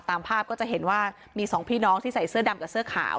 ตามภาพก็จะเห็นว่ามีสองพี่น้องที่ใส่เสื้อดำกับเสื้อขาว